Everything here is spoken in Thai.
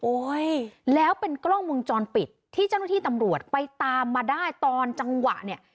แล้วเป็นกล้องมุมจรปิดที่เจ้าหน้าที่ตำรวจไปตามมาได้ตอนจังหวะเนี่ย